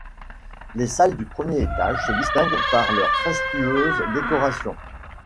Les salles du premier étage se distinguent par leur fastueuse décoration.